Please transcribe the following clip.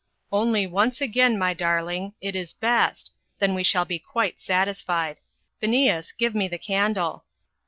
"Only once again, my darling. It is best. Then we shall be quite satisfied. Phineas, give me the candle."